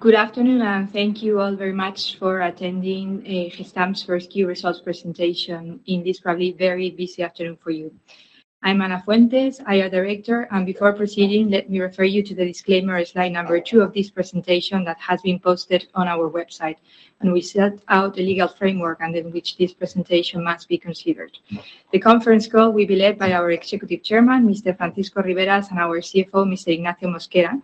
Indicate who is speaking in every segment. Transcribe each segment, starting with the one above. Speaker 1: Good afternoon, and thank you all very much for attending Gestamp's first key results presentation in this probably very busy afternoon for you. I'm Ana Fuentes, IR Director, and before proceeding, let me refer you to the disclaimer, slide number two of this presentation, that has been posted on our website, and we set out the legal framework and in which this presentation must be considered. The conference call will be led by our Executive Chairman, Mr. Francisco Riberas, and our CFO, Mr. Ignacio Mosquera.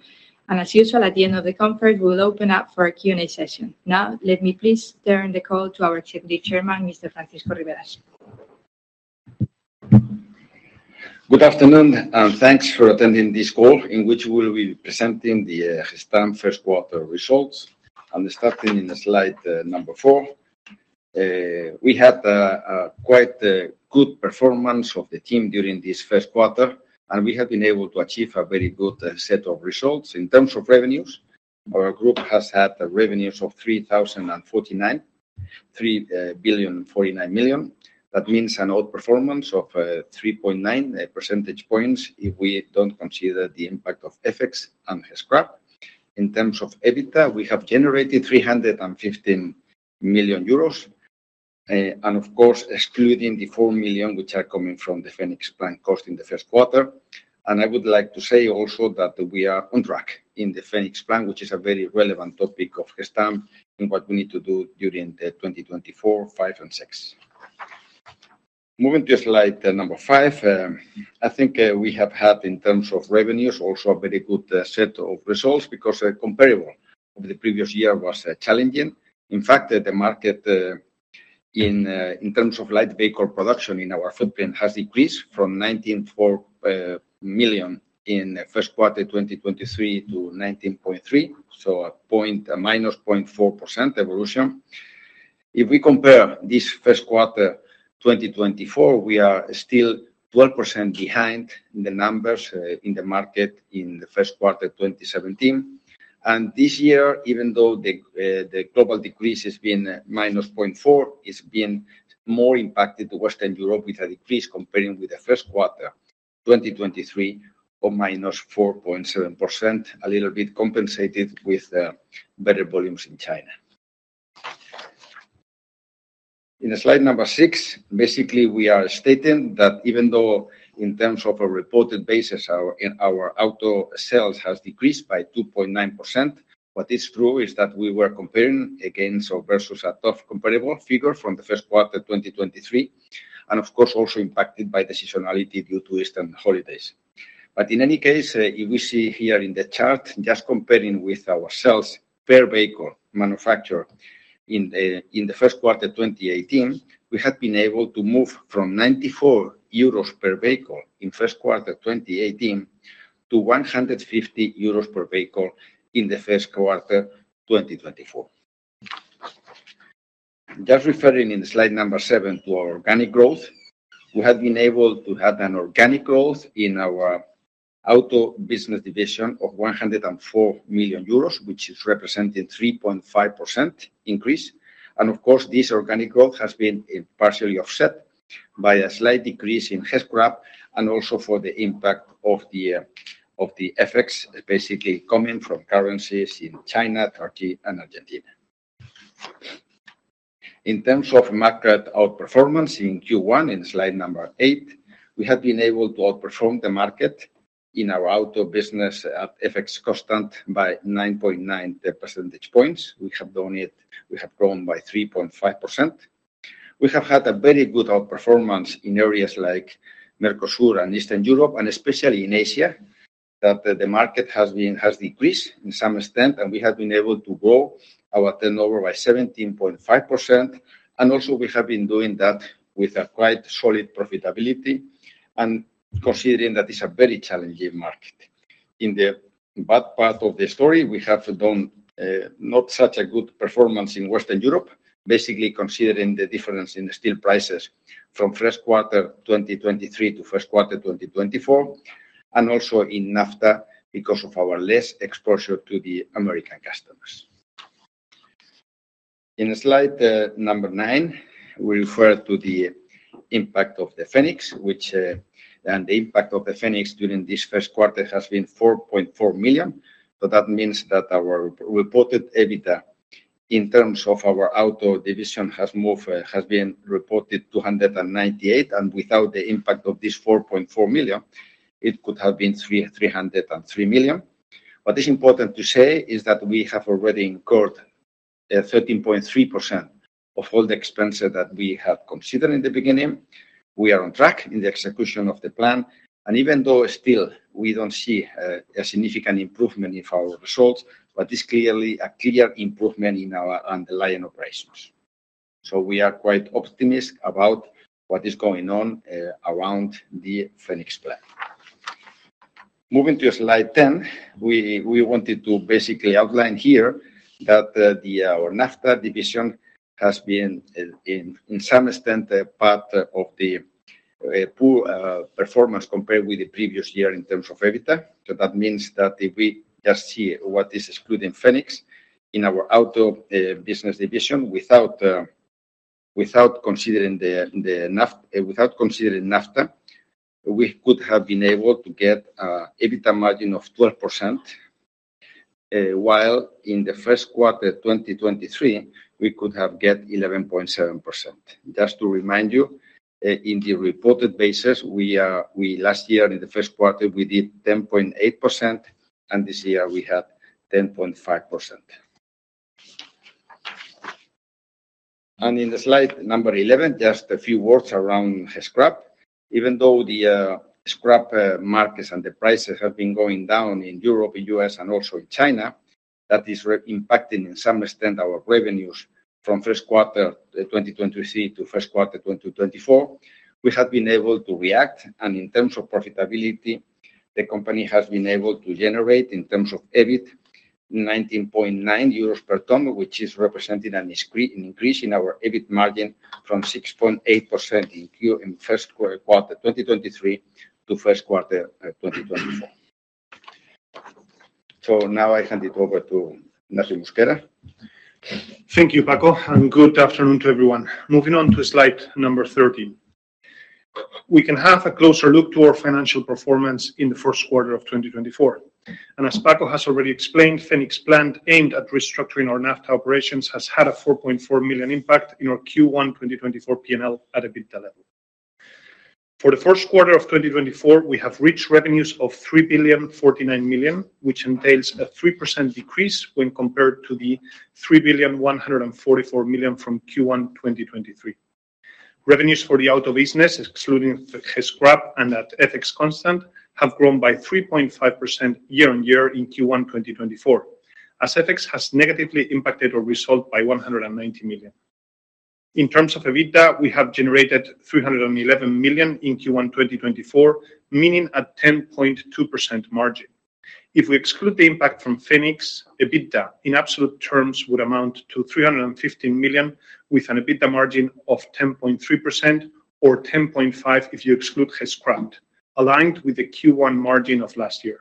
Speaker 1: As usual, at the end of the conference, we will open up for a Q&A session. Now, let me please turn the call to our Executive Chairman, Mr. Francisco Riberas.
Speaker 2: Good afternoon, and thanks for attending this call, in which we will be presenting the Gestamp first quarter results. I'm starting in slide number four. We had a quite good performance of the team during this first quarter, and we have been able to achieve a very good set of results. In terms of revenues, our group has had the revenues of 3,049 million. That means an outperformance of 3.9 percentage points if we don't consider the impact of FX and scrap. In terms of EBITDA, we have generated 315 million euros, and of course, excluding the 4 million, which are coming from the Phoenix Plan cost in the first quarter. I would like to say also that we are on track in the Phoenix Plan, which is a very relevant topic of Gestamp and what we need to do during the 2024, 2025, and 2026. Moving to slide number five, I think we have had, in terms of revenues, also a very good set of results because comparable over the previous year was challenging. In fact, the market in terms of light vehicle production in our footprint has decreased from 19.4 million in the first quarter 2023 to 19.3, so a minus 0.4% evolution. If we compare this first quarter 2024, we are still 12% behind the numbers in the market in the first quarter 2017. This year, even though the global decrease has been minus 0.4%, it's been more impacted to Western Europe, with a decrease comparing with the first quarter 2023, or minus 4.7%, a little bit compensated with better volumes in China. In slide six, basically, we are stating that even though in terms of a reported basis, our auto sales has decreased by 2.9%, what is true is that we were comparing against or versus a tough comparable figure from the first quarter 2023, and of course, also impacted by seasonality due to Easter holidays. In any case, if we see here in the chart, just comparing with our sales per vehicle manufacture in the first quarter 2018, we have been able to move from 94 euros per vehicle in first quarter 2018, to 150 euros per vehicle in the first quarter 2024. Just referring in slide number seven to our organic growth, we have been able to have an organic growth in our auto business division of 104 million euros, which is representing 3.5% increase. And of course, this organic growth has been partially offset by a slight decrease in scrap and also for the impact of the effects, basically coming from currencies in China, Turkey, and Argentina. In terms of market outperformance in Q1, in slide number eight, we have been able to outperform the market in our auto business at FX constant by 9.9 percentage points. We have done it. We have grown by 3.5%. We have had a very good outperformance in areas like Mercosur and Eastern Europe, and especially in Asia, that the market has decreased in some extent, and we have been able to grow our turnover by 17.5%, and also, we have been doing that with a quite solid profitability, and considering that it's a very challenging market. In the bad part of the story, we have done not such a good performance in Western Europe, basically considering the difference in the steel prices from first quarter 2023 to first quarter 2024, and also in NAFTA, because of our less exposure to the American customers. In slide number nine, we refer to the impact of the Phoenix, which and the impact of the Phoenix during this first quarter has been 4.4 million. So that means that our reported EBITDA, in terms of our auto division, has so far, has been reported 298, and without the impact of this 4.4 million, it could have been 303 million. What is important to say is that we have already incurred 13.3% of all the expenses that we have considered in the beginning. We are on track in the execution of the plan, and even though still we don't see a significant improvement in our results, but it's clearly a clear improvement in our underlying operations. So we are quite optimistic about what is going on around the Phoenix Plan. Moving to slide 10, we wanted to basically outline here that our NAFTA division has been, in some extent, a part of the poor performance compared with the previous year in terms of EBITDA. So that means that if we just see what is excluded in Phoenix, in our auto business division, without... Without considering the NAFTA, without considering NAFTA, we could have been able to get EBITDA margin of 12%, while in the first quarter of 2023, we could have get 11.7%. Just to remind you, in the reported basis, we last year, in the first quarter, we did 10.8%, and this year we had 10.5%. In slide number 11, just a few words around scrap. Even though the scrap markets and the prices have been going down in Europe, in U.S., and also in China, that is impacting in some extent our revenues from first quarter 2023 to first quarter 2024. We have been able to react, and in terms of profitability, the company has been able to generate, in terms of EBIT, 19.9 per ton, which is representing an increase in our EBIT margin from 6.8% in first quarter 2023 to first quarter 2024. So now I hand it over to Ignacio Mosquera.
Speaker 3: Thank you, Paco, and good afternoon to everyone. Moving on to slide number 13. We can have a closer look at our financial performance in the first quarter of 2024. As Paco has already explained, Phoenix Plan, aimed at restructuring our NAFTA operations, has had a 4.4 million impact in our Q1 2024 P&L at EBITDA level. For the first quarter of 2024, we have reached revenues of 3,049 million, which entails a 3% decrease when compared to the 3,144 million from Q1 2023. Revenues for the auto business, excluding the scrap and at FX constant, have grown by 3.5% year-on-year in Q1 2024, as FX has negatively impacted our result by -190 million. In terms of EBITDA, we have generated 311 million in Q1 2024, meaning a 10.2% margin. If we exclude the impact from Phoenix, EBITDA, in absolute terms, would amount to 350 million, with an EBITDA margin of 10.3%, or 10.5% if you exclude scrap, aligned with the Q1 margin of last year.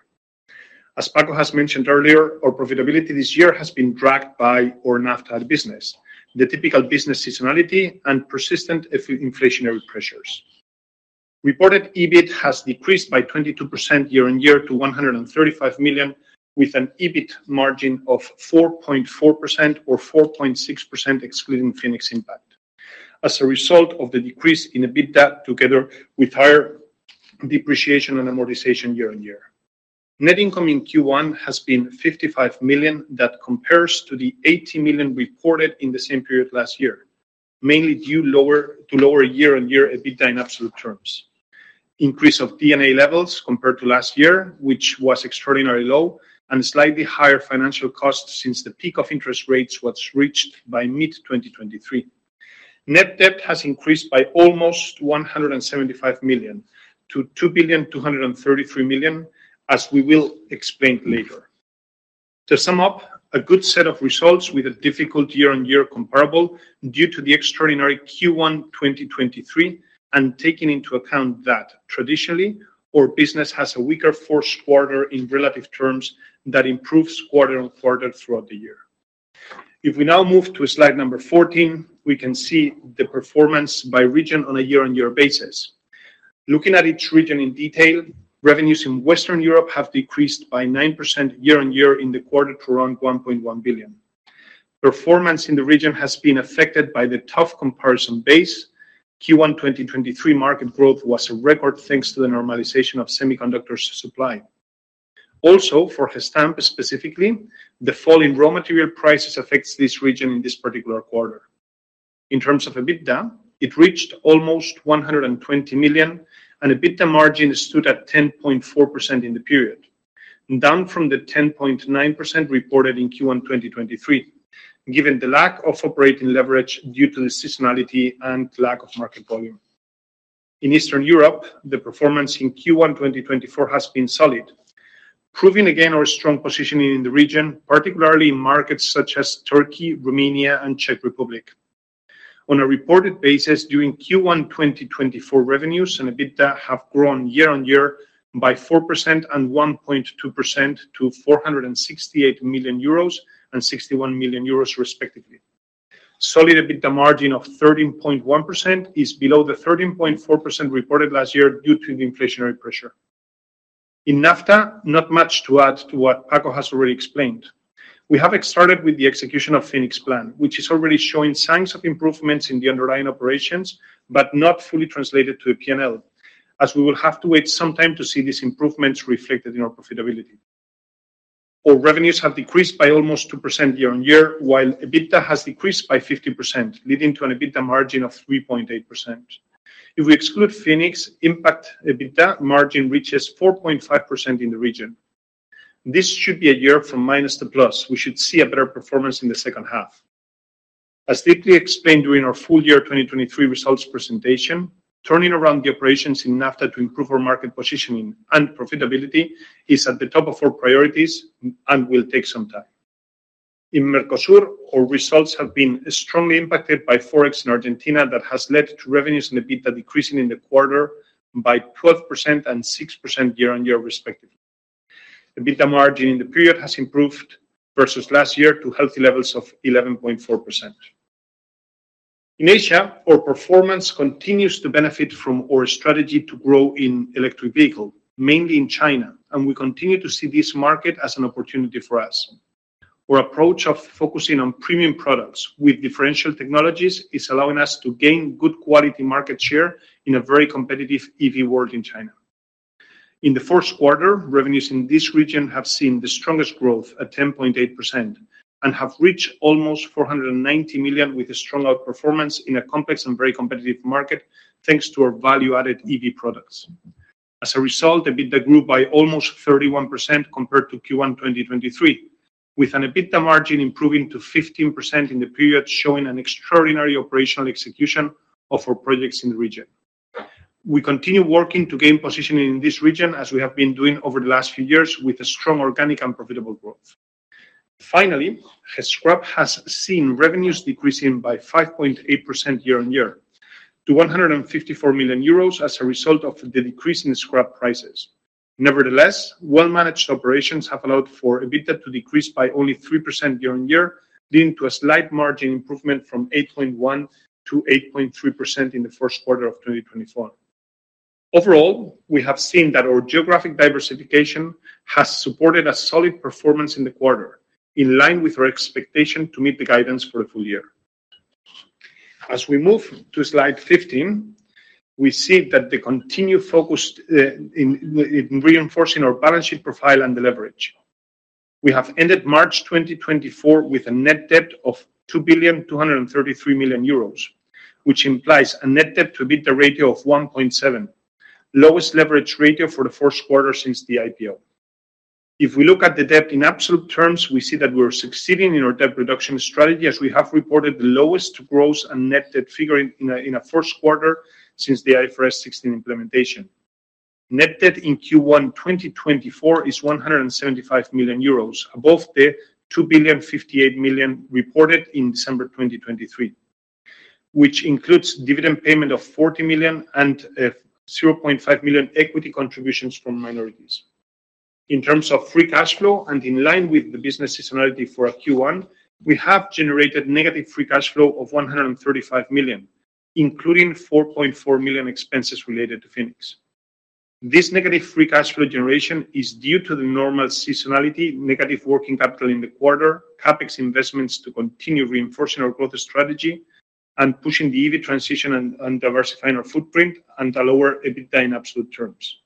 Speaker 3: As Paco has mentioned earlier, our profitability this year has been dragged by our NAFTA business, the typical business seasonality, and persistent inflationary pressures. Reported EBIT has decreased by 22% year-on-year to 135 million, with an EBIT margin of 4.4% or 4.6%, excluding Phoenix impact. As a result of the decrease in EBITDA, together with higher depreciation and amortization year-on-year, net income in Q1 has been 55 million. That compares to the 80 million reported in the same period last year, mainly due to lower year-on-year EBITDA in absolute terms. Increase of D&A levels compared to last year, which was extraordinarily low, and slightly higher financial costs since the peak of interest rates was reached by mid-2023. Net debt has increased by almost 175 million to 2,233 million, as we will explain later. To sum up, a good set of results with a difficult year-on-year comparable due to the extraordinary Q1 2023, and taking into account that traditionally, our business has a weaker fourth quarter in relative terms that improves quarter-on-quarter throughout the year. If we now move to slide number 14, we can see the performance by region on a year-on-year basis. Looking at each region in detail, revenues in Western Europe have decreased by 9% year-on-year in the quarter to around 1.1 billion. Performance in the region has been affected by the tough comparison base. Q1 2023 market growth was a record, thanks to the normalization of semiconductors supply. Also, for Gestamp specifically, the fall in raw material prices affects this region in this particular quarter. In terms of EBITDA, it reached almost 120 million, and EBITDA margin stood at 10.4% in the period, down from the 10.9% reported in Q1 2023, given the lack of operating leverage due to the seasonality and lack of market volume. In Eastern Europe, the performance in Q1 2024 has been solid, proving again our strong positioning in the region, particularly in markets such as Turkey, Romania, and Czech Republic. On a reported basis, during Q1 2024, revenues and EBITDA have grown year-on-year by 4% and 1.2% to 468 million euros and 61 million euros, respectively. Solid EBITDA margin of 13.1% is below the 13.4% reported last year due to the inflationary pressure. In NAFTA, not much to add to what Paco has already explained. We have started with the execution of Phoenix Plan, which is already showing signs of improvements in the underlying operations, but not fully translated to a P&L, as we will have to wait some time to see these improvements reflected in our profitability. Our revenues have decreased by almost 2% year-on-year, while EBITDA has decreased by 50%, leading to an EBITDA margin of 3.8%. If we exclude Phoenix impact, EBITDA margin reaches 4.5% in the region. This should be a year from minus to plus. We should see a better performance in the second half. As deeply explained during our full year 2023 results presentation, turning around the operations in NAFTA to improve our market positioning and profitability is at the top of our priorities and will take some time. In Mercosur, our results have been strongly impacted by Forex in Argentina. That has led to revenues and EBITDA decreasing in the quarter by 12% and 6% year-on-year, respectively. The EBITDA margin in the period has improved versus last year to healthy levels of 11.4%. In Asia, our performance continues to benefit from our strategy to grow in electric vehicle, mainly in China, and we continue to see this market as an opportunity for us. Our approach of focusing on premium products with differential technologies is allowing us to gain good quality market share in a very competitive EV world in China. In the first quarter, revenues in this region have seen the strongest growth at 10.8% and have reached almost 490 million, with a strong outperformance in a complex and very competitive market, thanks to our value-added EV products. As a result, EBITDA grew by almost 31% compared to Q1 2023, with an EBITDA margin improving to 15% in the period, showing an extraordinary operational execution of our projects in the region. We continue working to gain positioning in this region, as we have been doing over the last few years, with a strong, organic, and profitable growth. Finally, Scrap has seen revenues decreasing by 5.8% year-on-year to 154 million euros as a result of the decrease in scrap prices. Nevertheless, well-managed operations have allowed for EBITDA to decrease by only 3% year-on-year, leading to a slight margin improvement from 8.1%-8.3% in the first quarter of 2024. Overall, we have seen that our geographic diversification has supported a solid performance in the quarter, in line with our expectation to meet the guidance for the full year. As we move to slide 15, we see that the continued focus in reinforcing our balance sheet profile and the leverage. We have ended March 2024 with a net debt of 2.233 billion, which implies a net debt to EBITDA ratio of 1.7, lowest leverage ratio for the first quarter since the IPO. If we look at the debt in absolute terms, we see that we are succeeding in our debt reduction strategy, as we have reported the lowest gross and net debt figure in a, in a first quarter since the IFRS 16 implementation. Net debt in Q1 2024 is 175 million euros, above the 2.058 billion reported in December 2023, which includes dividend payment of 40 million and zero point five million equity contributions from minorities. In terms of free cash flow and in line with the business seasonality for a Q1, we have generated negative free cash flow of 135 million, including 4.4 million expenses related to Phoenix. This negative free cash flow generation is due to the normal seasonality, negative working capital in the quarter, CapEx investments to continue reinforcing our growth strategy and pushing the EV transition and diversifying our footprint and a lower EBITDA in absolute terms.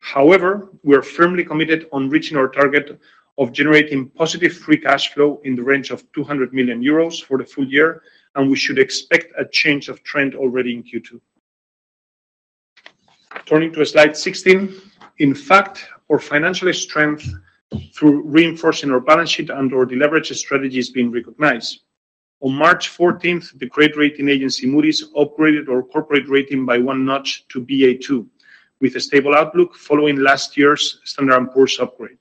Speaker 3: However, we are firmly committed on reaching our target of generating positive free cash flow in the range of 200 million euros for the full year, and we should expect a change of trend already in Q2. Turning to slide 16. In fact, our financial strength through reinforcing our balance sheet and our deleverage strategy is being recognized. On March 14th, the credit rating agency, Moody's, upgraded our corporate rating by one notch to Ba2, with a stable outlook following last year's Standard and Poor's upgrade.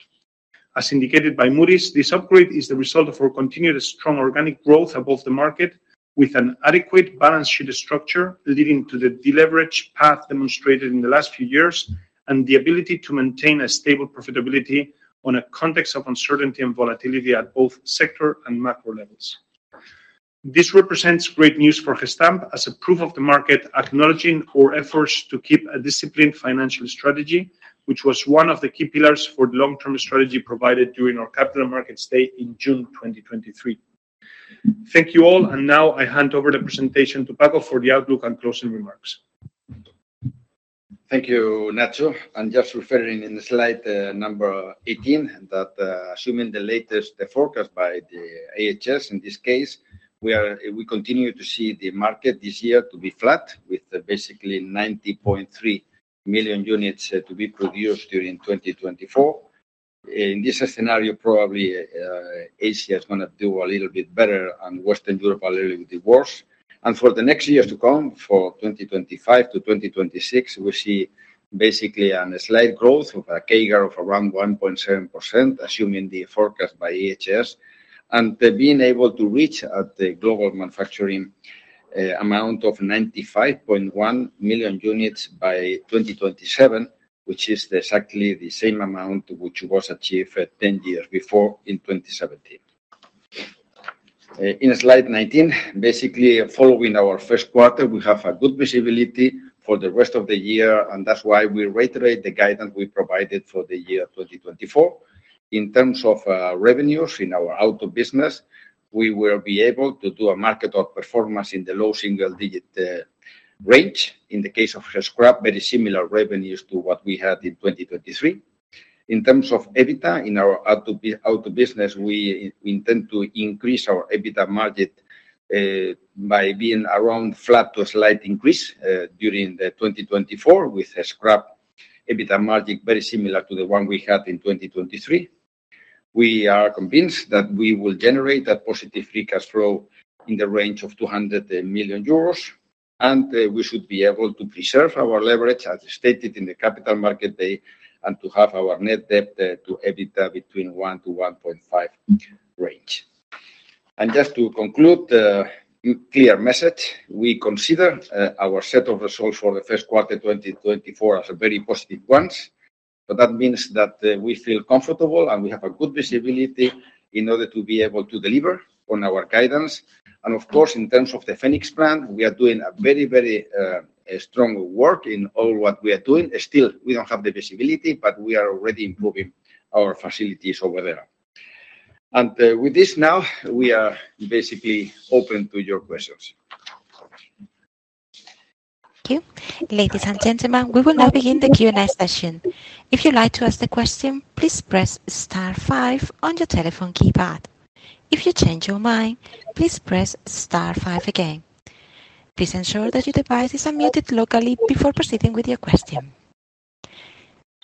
Speaker 3: As indicated by Moody's, this upgrade is the result of our continued strong organic growth above the market, with an adequate balance sheet structure leading to the deleverage path demonstrated in the last few years, and the ability to maintain a stable profitability on a context of uncertainty and volatility at both sector and macro levels. This represents great news for Gestamp as a proof of the market, acknowledging our efforts to keep a disciplined financial strategy, which was one of the key pillars for the long-term strategy provided during our Capital Markets Day in June 2023. Thank you all, and now I hand over the presentation to Paco for the outlook and closing remarks.
Speaker 2: Thank you, Nacho. I'm just referring in the slide, number 18, that, assuming the latest, the forecast by the IHS, in this case, we continue to see the market this year to be flat, with basically 90.3 million units to be produced during 2024. In this scenario, probably, Asia is gonna do a little bit better and Western Europe, a little bit worse. And for the next years to come, for 2025 to 2026, we see basically a slight growth of a CAGR of around 1.7%, assuming the forecast by IHS, and being able to reach at the global manufacturing, amount of 95.1 million units by 2027, which is exactly the same amount which was achieved 10 years before in 2017. In slide 19, basically, following our first quarter, we have a good visibility for the rest of the year, and that's why we reiterate the guidance we provided for the year 2024. In terms of revenues in our auto business, we will be able to do a market outperformance in the low single-digit range. In the case of scrap, very similar revenues to what we had in 2023. In terms of EBITDA in our auto business, we intend to increase our EBITDA margin by being around flat to a slight increase during the 2024, with a scrap EBITDA margin very similar to the one we had in 2023. We are convinced that we will generate a positive free cash flow in the range of 200 million euros, and we should be able to preserve our leverage, as stated in the Capital Markets Day, and to have our net debt to EBITDA between 1-1.5 range. And just to conclude, clear message: we consider our set of results for the first quarter 2024 as a very positive ones, but that means that we feel comfortable and we have a good visibility in order to be able to deliver on our guidance. And of course, in terms of the Phoenix Plan, we are doing a very, very strong work in all what we are doing. Still, we don't have the visibility, but we are already improving our facilities over there. With this now, we are basically open to your questions.
Speaker 4: Thank you. Ladies and gentlemen, we will now begin the Q&A session. If you'd like to ask the question, please press star five on your telephone keypad. If you change your mind, please press star five again. Please ensure that your device is unmuted locally before proceeding with your question.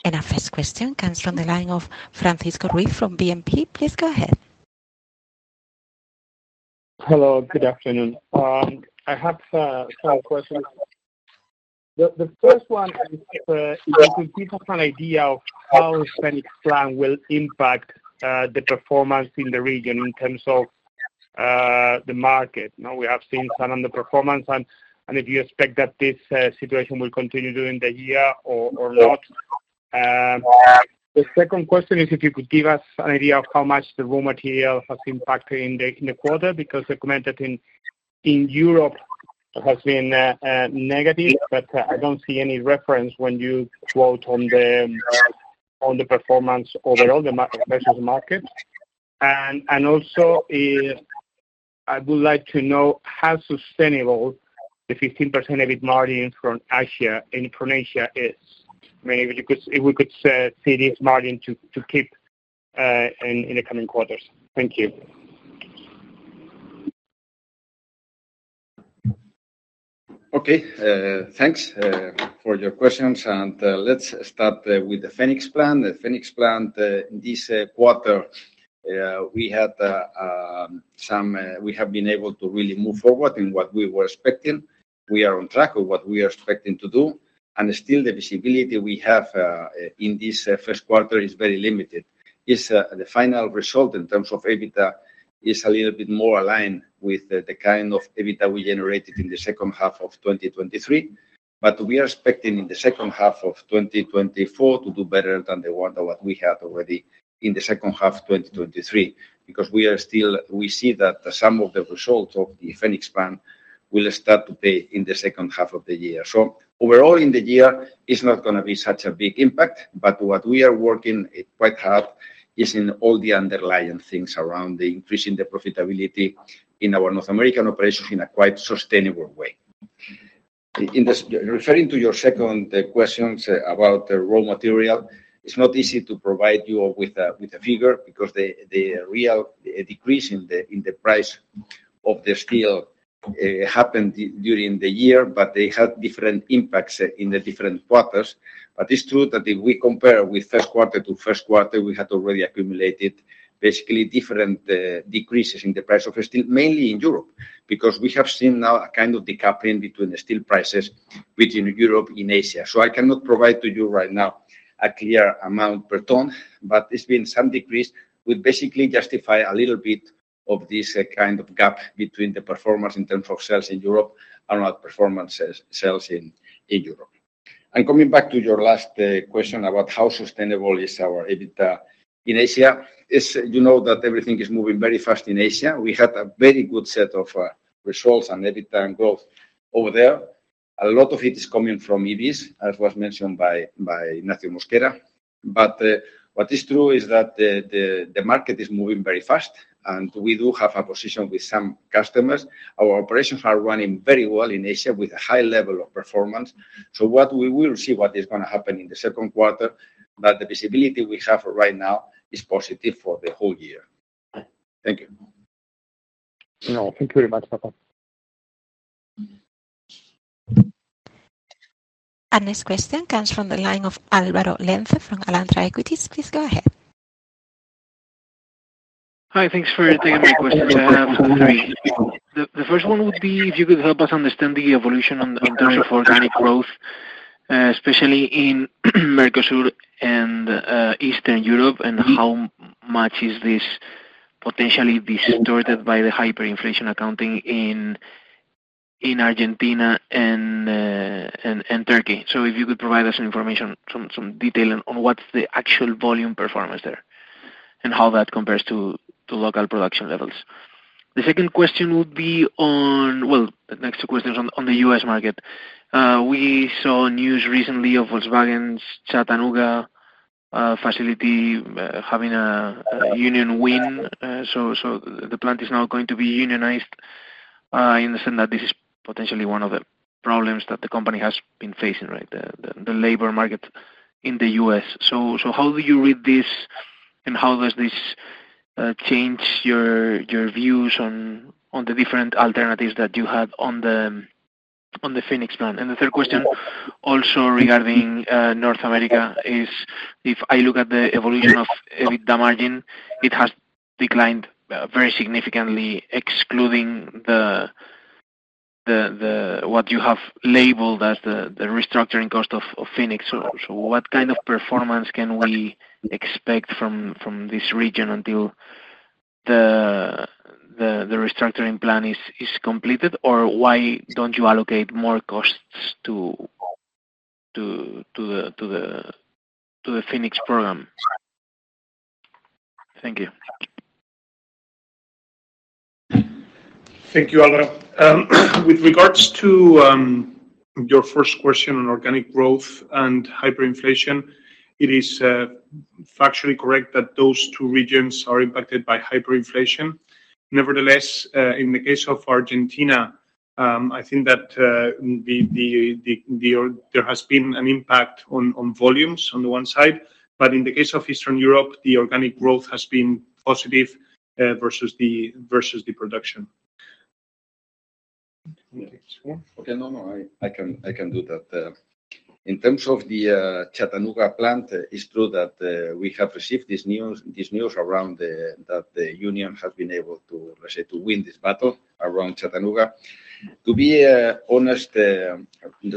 Speaker 4: Our first question comes from the line of Francisco Ruiz from BNP. Please go ahead.
Speaker 5: Hello, good afternoon. I have some questions. The first one is if you give us an idea of how Phoenix Plan will impact the performance in the region in terms of the market. Now, we have seen some underperformance, and if you expect that this situation will continue during the year or not. The second question is if you could give us an idea of how much the raw material has impacted in the quarter, because the comment that in Europe has been negative, but I don't see any reference when you quote on the performance overall, the market, versus market. And also, I would like to know how sustainable the 15% EBIT margin from Asia, in principle is maybe you could... If we could set EBIT margin to keep in the coming quarters. Thank you.
Speaker 3: Okay. Thanks for your questions, and let's start with the Phoenix Plan. The Phoenix Plan in this quarter, we have been able to really move forward in what we were expecting. We are on track of what we are expecting to do, and still the visibility we have in this first quarter is very limited. It's the final result in terms of EBITDA is a little bit more aligned with the kind of EBITDA we generated in the second half of 2023, but we are expecting in the second half of 2024 to do better than the one that what we had already in the second half of 2023.
Speaker 2: Because we are still, we see that some of the results of the Phoenix Plan will start to pay in the second half of the year. So overall, in the year, it's not gonna be such a big impact, but what we are working quite hard is in all the underlying things around increasing the profitability in our North American operations in a quite sustainable way. In this, referring to your second questions about the raw material, it's not easy to provide you with a figure because the real decrease in the price of the steel happened during the year, but they had different impacts in the different quarters. But it's true that if we compare with first quarter to first quarter, we had already accumulated basically different decreases in the price of steel, mainly in Europe, because we have seen now a kind of decoupling between the steel prices between Europe and Asia. So I cannot provide to you right now a clear amount per ton, but it's been some decrease, which basically justify a little bit of this kind of gap between the performance in terms of sales in Europe and not performance sales, sales in Europe. And coming back to your last question about how sustainable is our EBITDA in Asia, you know that everything is moving very fast in Asia. We had a very good set of results and EBITDA and growth over there. A lot of it is coming from EVs, as was mentioned by Ignacio Mosquera. But what is true is that the market is moving very fast, and we do have a position with some customers. Our operations are running very well in Asia with a high level of performance. So what we will see what is gonna happen in the second quarter, but the visibility we have right now is positive for the whole year. Thank you.
Speaker 5: No, thank you very much, Paco.
Speaker 4: Our next question comes from the line of Álvaro Lenze from Alantra Equities. Please go ahead.
Speaker 6: Hi, thanks for taking my questions. I have three. The first one would be if you could help us understand the evolution on, in terms of organic growth, especially in Mercosur and Eastern Europe, and how much is this potentially distorted by the hyperinflation accounting in Argentina and Turkey? So if you could provide us some information, some detail on what's the actual volume performance there and how that compares to local production levels. The second question would be on... Well, the next two questions on the U.S. market. We saw news recently of Volkswagen's Chattanooga facility having a union win. So the plant is now going to be unionized. I understand that this is potentially one of the problems that the company has been facing, right? The labor market in the U.S.. So how do you read this, and how does this change your views on the different alternatives that you had on the Phoenix Plan? And the third question, also regarding North America, is if I look at the evolution of EBIT, the margin, it has declined very significantly, excluding the what you have labeled as the restructuring cost of Phoenix. So what kind of performance can we expect from this region until the restructuring plan is completed? Or why don't you allocate more costs to the Phoenix program? Thank you.
Speaker 3: Thank you, Álvaro. With regards to your first question on organic growth and hyperinflation, it is factually correct that those two regions are impacted by hyperinflation. Nevertheless, in the case of Argentina, I think that there has been an impact on volumes on the one side, but in the case of Eastern Europe, the organic growth has been positive versus the production.
Speaker 2: Okay. No, no, I, I can, I can do that. In terms of the Chattanooga plant, it's true that we have received this news, this news around the, that the union has been able to, let's say, to win this battle around Chattanooga. To be honest,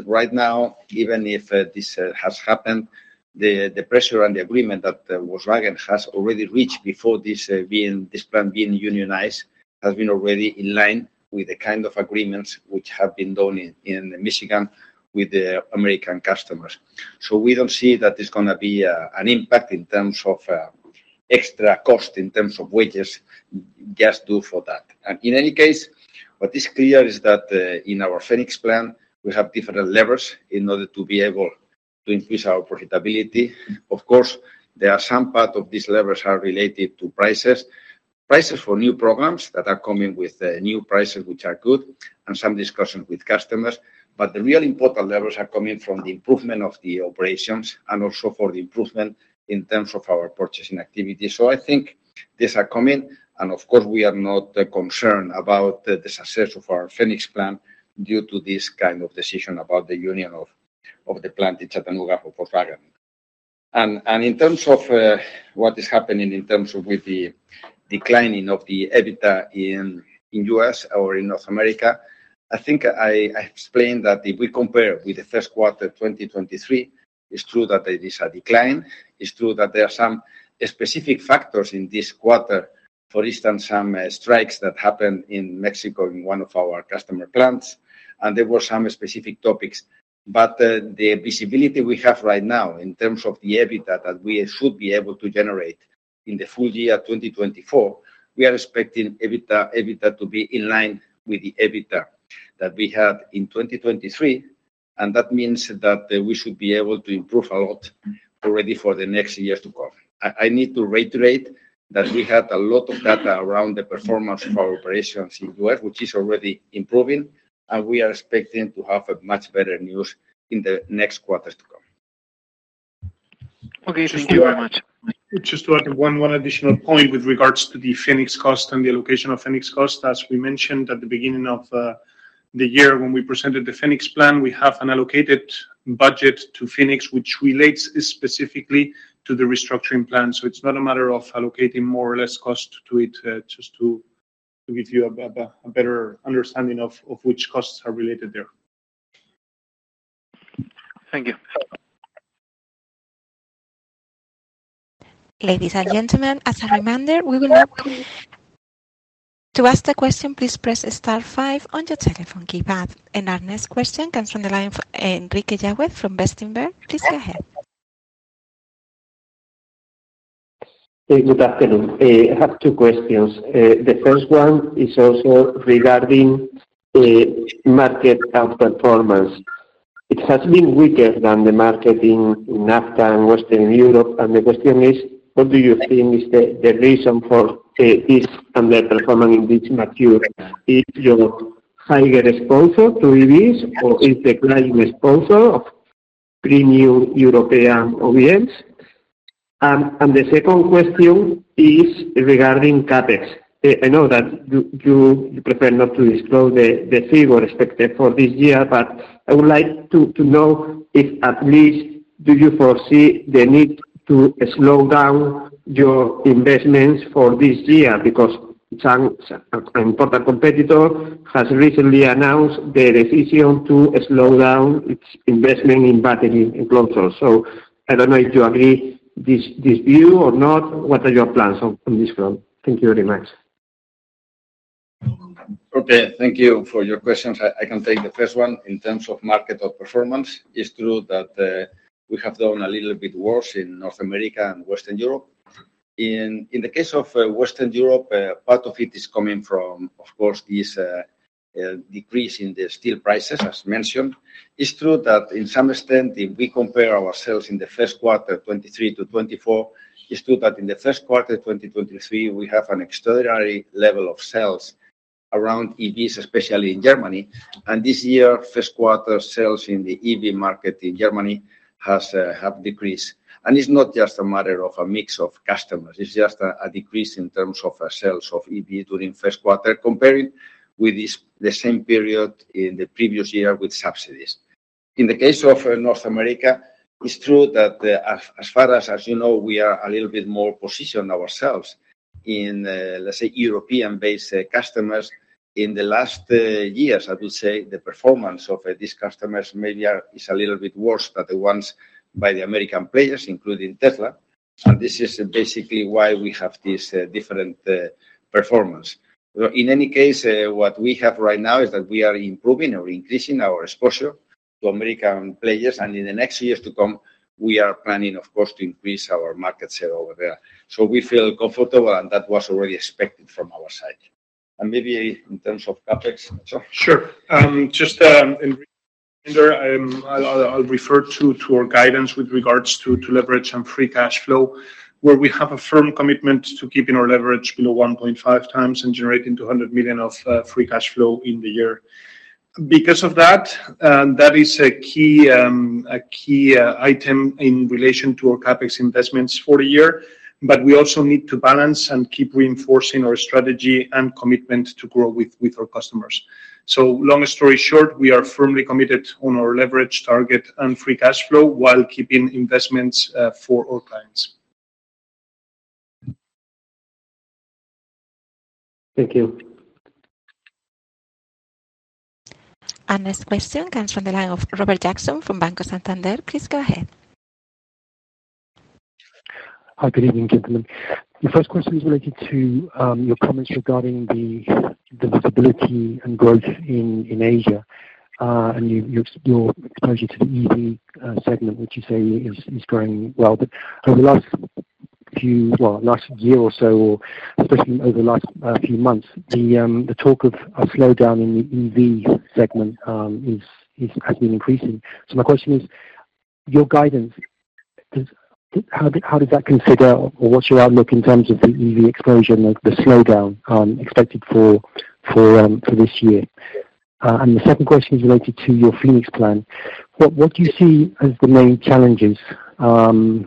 Speaker 2: right now, even if this has happened, the pressure and the agreement that Volkswagen has already reached before this being, this plant being unionized, has been already in line with the kind of agreements which have been done in Michigan with the American customers. So we don't see that there's gonna be a an impact in terms of extra cost, in terms of wages, just due for that. In any case, what is clear is that, in our Phoenix Plan, we have different levers in order to be able to increase our profitability. Of course, there are some part of these levers are related to prices. Prices for new programs that are coming with, new prices, which are good, and some discussions with customers. But the really important levers are coming from the improvement of the operations and also for the improvement in terms of our purchasing activity. So I think these are coming, and of course, we are not concerned about the, the success of our Phoenix Plan due to this kind of decision about the union of, of the plant in Chattanooga for Volkswagen. And in terms of what is happening in terms of with the declining of the EBITDA in the U.S. or in North America, I think I explained that if we compare with the first quarter, 2023, it's true that there is a decline. It's true that there are some specific factors in this quarter. For instance, some strikes that happened in Mexico in one of our customer plants, and there were some specific topics. But the visibility we have right now in terms of the EBITDA that we should be able to generate in the full year 2024, we are expecting EBITDA, EBITDA to be in line with the EBITDA that we had in 2023, and that means that we should be able to improve a lot already for the next years to come. I need to reiterate that we had a lot of data around the performance of our operations in the U.S., which is already improving, and we are expecting to have a much better news in the next quarters to come.
Speaker 6: Okay, thank you very much.
Speaker 3: Just to add one additional point with regards to the Phoenix cost and the allocation of Phoenix cost. As we mentioned at the beginning of the year when we presented the Phoenix Plan, we have an allocated budget to Phoenix, which relates specifically to the restructuring plan. So it's not a matter of allocating more or less cost to it, just to give you a better understanding of which costs are related there.
Speaker 6: Thank you. Ladies and gentlemen, as a reminder, we will now... To ask the question, please press star five on your telephone keypad. And our next question comes from the line from Enrique Yáguez from Bestinver. Please go ahead.
Speaker 7: Hey, good afternoon. I have two questions. The first one is also regarding the market outperformance. It has been weaker than the market in NAFTA and Western Europe, and the question is: what do you think is the reason for this underperformance in this material? Is your higher exposure to EVs, or is the declining exposure of three new European OEMs? And the second question is regarding CapEx. I know that you prefer not to disclose the figure expected for this year, but I would like to know if at least you foresee the need to slow down your investments for this year? Because such an important competitor has recently announced their decision to slow down its investment in battery enclosure. So I don't know if you agree with this view or not. What are your plans on this front? Thank you very much.
Speaker 2: Okay. Thank you for your questions. I can take the first one. In terms of market outperformance, it's true that we have done a little bit worse in North America and Western Europe. In the case of Western Europe, part of it is coming from, of course, this decrease in the steel prices, as mentioned. It's true that in some extent, if we compare ourselves in the first quarter 2023 to 2024, it's true that in the first quarter 2023, we have an extraordinary level of sales around EVs, especially in Germany. This year, first quarter sales in the EV market in Germany have decreased. And it's not just a matter of a mix of customers, it's just a decrease in terms of sales of EV during first quarter, comparing with this, the same period in the previous year with subsidies. In the case of North America, it's true that, as far as you know, we are a little bit more positioned ourselves. In, let's say, European-based customers, in the last years, I will say the performance of these customers maybe are, is a little bit worse than the ones by the American players, including Tesla, and this is basically why we have this different performance. Well, in any case, what we have right now is that we are improving or increasing our exposure to American players, and in the next years to come, we are planning, of course, to increase our market share over there. So we feel comfortable, and that was already expected from our side. Maybe in terms of CapEx, Nacho?
Speaker 3: Sure. Just in, I'll refer to our guidance with regards to leverage some free cash flow, where we have a firm commitment to keeping our leverage below 1.5x and generating 200 million of free cash flow in the year. Because of that, and that is a key item in relation to our CapEx investments for the year, but we also need to balance and keep reinforcing our strategy and commitment to grow with our customers. So long story short, we are firmly committed on our leverage target and free cash flow while keeping investments for our clients.
Speaker 2: Thank you.
Speaker 4: Our next question comes from the line of Robert Jackson from Banco Santander. Please go ahead.
Speaker 8: Hi. Good evening, gentlemen. The first question is related to your comments regarding the visibility and growth in Asia and your exposure to the EV segment, which you say is growing well. But over the last few... well, last year or so, or especially over the last few months, the talk of a slowdown in the EV segment has been increasing. So my question is: Your guidance, does—how does that consider, or what's your outlook in terms of the EV exposure and the slowdown expected for this year? And the second question is related to your Phoenix Plan. What, what do you see as the main challenges or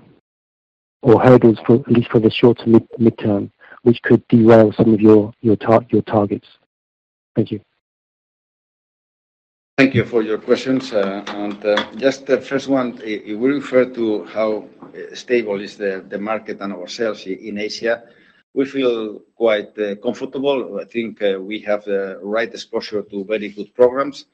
Speaker 8: hurdles for, at least for the short to midterm, which could derail some of your, your targets? Thank you.
Speaker 2: Thank you for your questions. Just the first one, it will refer to how stable is the market and ourselves in Asia. We feel quite comfortable. I think we have the right exposure to very good programs.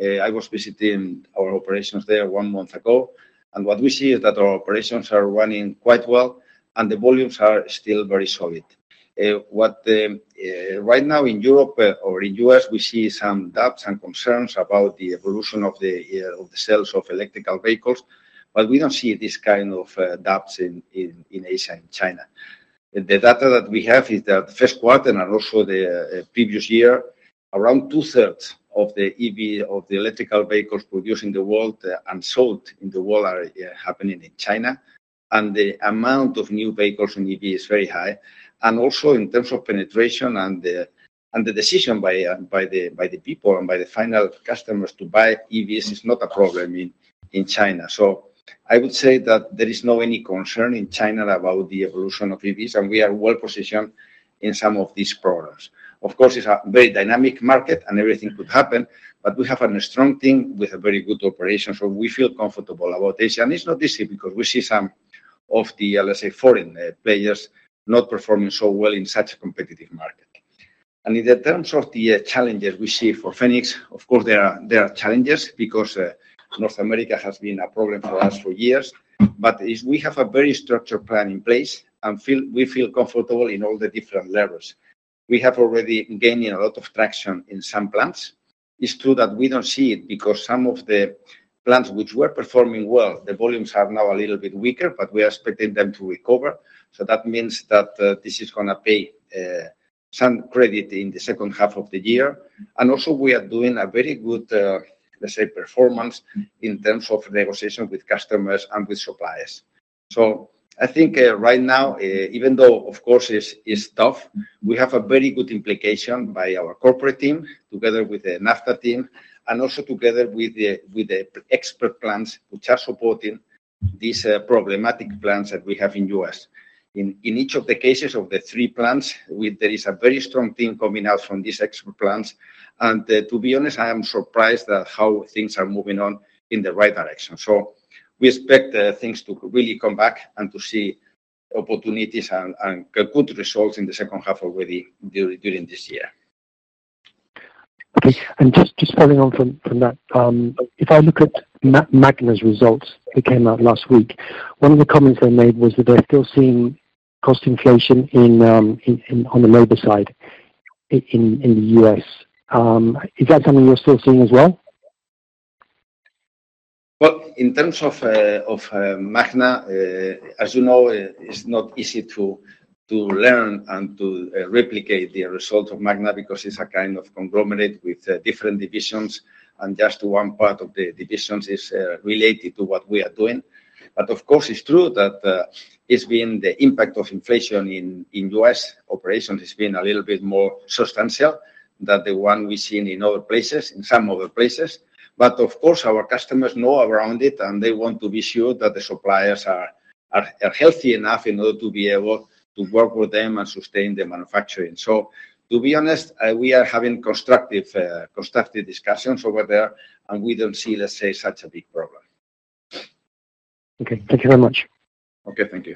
Speaker 2: I was visiting our operations there one month ago, and what we see is that our operations are running quite well, and the volumes are still very solid. Right now in Europe or in U.S., we see some doubts and concerns about the evolution of the sales of electric vehicles, but we don't see this kind of doubts in Asia, in China. The data that we have is that the first quarter and also the previous year, around 2/3 of the EV, of the electrical vehicles produced in the world and sold in the world are happening in China, and the amount of new vehicles in EV is very high. And also in terms of penetration and the decision by the people and by the final customers to buy EVs is not a problem in China. So I would say that there is no any concern in China about the evolution of EVs, and we are well positioned in some of these products. Of course, it's a very dynamic market and everything could happen, but we have a strong team with a very good operation, so we feel comfortable about Asia. It's not easy because we see some of the, let's say, foreign players not performing so well in such a competitive market. In the terms of the challenges we see for Phoenix, of course, there are challenges because North America has been a problem for us for years. But we have a very structured plan in place, and we feel comfortable in all the different levels. We have already gaining a lot of traction in some plants. It's true that we don't see it because some of the plants which were performing well, the volumes are now a little bit weaker, but we are expecting them to recover. So that means that this is gonna pay some credit in the second half of the year. And also, we are doing a very good, let's say, performance in terms of negotiation with customers and with suppliers. So I think, right now, even though, of course, it's tough, we have a very good implication by our corporate team together with the NAFTA team, and also together with the expert plants which are supporting these problematic plants that we have in the U.S.. In each of the cases of the three plants, there is a very strong team coming out from these expert plants. And, to be honest, I am surprised at how things are moving on in the right direction. So we expect things to really come back and to see opportunities and good results in the second half already during this year.
Speaker 8: Okay. And just following on from that, if I look at Magna's results that came out last week, one of the comments they made was that they're still seeing cost inflation in on the labor side, in the U.S., is that something you're still seeing as well?
Speaker 2: Well, in terms of Magna, as you know, it's not easy to learn and to replicate the result of Magna because it's a kind of conglomerate with different divisions, and just one part of the divisions is related to what we are doing. But of course, it's true that it's been the impact of inflation in U.S. operations has been a little bit more substantial than the one we've seen in other places, in some other places. But of course, our customers know around it, and they want to be sure that the suppliers are healthy enough in order to be able to work with them and sustain the manufacturing. So to be honest, we are having constructive discussions over there, and we don't see, let's say, such a big problem.
Speaker 8: Okay. Thank you very much.
Speaker 2: Okay. Thank you.